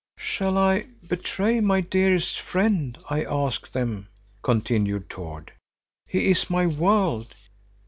"Shall I betray my dearest friend, I ask them," continued Tord. "He is my world.